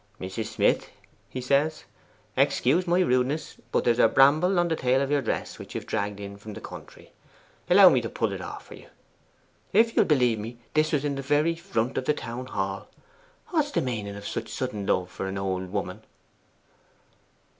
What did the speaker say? "Mrs. Smith," he says, "excuse my rudeness, but there's a bramble on the tail of your dress, which you've dragged in from the country; allow me to pull it off for you." If you'll believe me, this was in the very front of the Town Hall. What's the meaning of such sudden love for a' old woman?